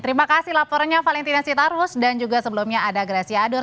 terima kasih laporannya valentina sitarus dan juga sebelumnya ada grecia adur